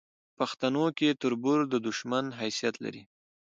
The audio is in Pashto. پښتنو کې تربور د دوشمن حیثت لري